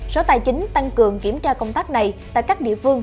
sở tài chính tăng cường kiểm tra công tác này tại các địa phương